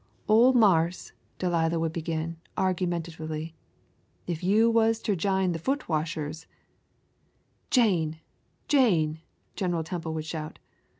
"Ole marse," Delilah would begin, argumentatively, "if you wuz ter jine de Foot washers " "Jane! Jane!" General Temple would shout.